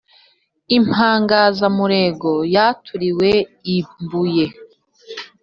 Impangazamurego yanturiwe i Mbuye